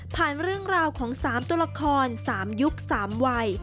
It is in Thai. เรื่องราวของ๓ตัวละคร๓ยุค๓วัย